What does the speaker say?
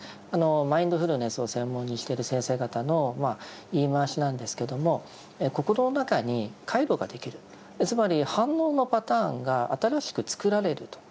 マインドフルネスを専門にしている先生方の言い回しなんですけどもつまり反応のパターンが新しくつくられると。